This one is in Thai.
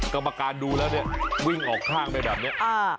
กรรมการดูแล้วเนี่ยวิ่งออกข้างไปแบบนี้